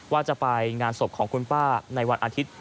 ว่าจะไปงานศพของคุณป้าในวันอาทิตย์